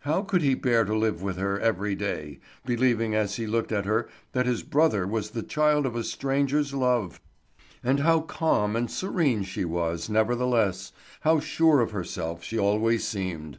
How could he bear to live with her every day, believing as he looked at her that his brother was the child of a stranger's love? And how calm and serene she was, nevertheless, how sure of herself she always seemed!